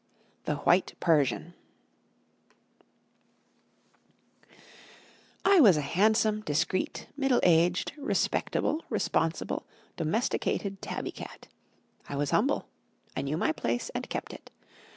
The White Persian I WAS a handsome, discreet, middle aged, respectable, responsible, domesticated tabby cat. I was humble. I knew my place, and kept it.